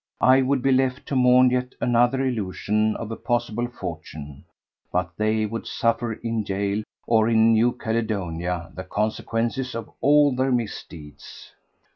I would be left to mourn yet another illusion of a possible fortune, but they would suffer in gaol or in New Caledonia the consequences of all their misdeeds.